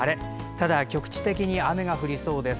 ただ、局地的に雨が降りそうです。